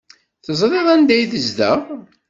Teẓriḍ anda ay tezdeɣ?